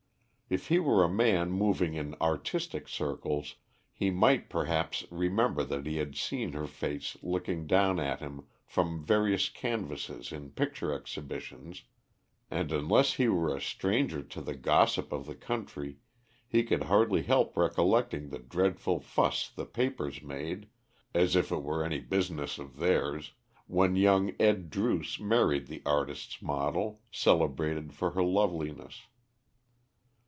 If he were a man moving in artistic circles he might perhaps remember that he had seen her face looking down at him from various canvases in picture exhibitions, and unless he were a stranger to the gossip of the country he could hardly help recollecting the dreadful fuss the papers made, as if it were any business of theirs, when young Ed. Druce married the artists' model, celebrated for her loveliness.